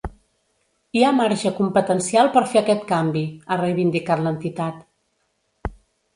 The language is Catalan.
“Hi ha marge competencial per fer aquest canvi”, ha reivindicat l’entitat.